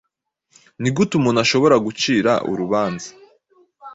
Ni gute umuntu ashobora kugucira urubanza